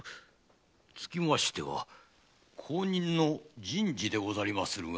つきましては後任の人事でござりまするが。